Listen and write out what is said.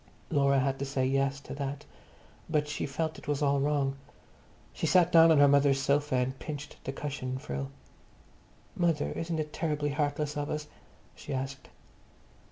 Laura had to say "yes" to that, but she felt it was all wrong. She sat down on her mother's sofa and pinched the cushion frill. "Mother, isn't it terribly heartless of us?" she asked.